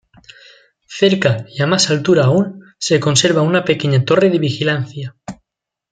Cerca, y a más altura aún, se conserva una pequeña torre de vigilancia.